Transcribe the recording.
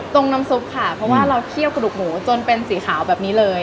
น้ำซุปค่ะเพราะว่าเราเคี่ยวกระดูกหมูจนเป็นสีขาวแบบนี้เลย